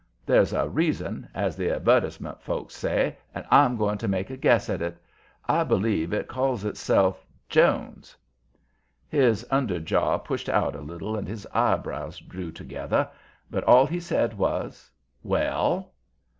There's a reason, as the advertisement folks say, and I'm going to make a guess at it. I believe it calls itself Jones." His under jaw pushed out a little and his eyebrows drew together. But all he said was, "Well?"